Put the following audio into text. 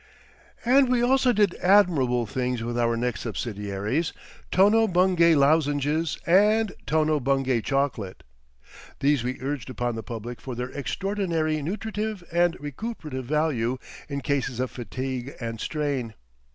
And we also did admirable things with our next subsidiaries, "Tono Bungay Lozenges," and "Tono Bungay Chocolate." These we urged upon the public for their extraordinary nutritive and recuperative value in cases of fatigue and strain.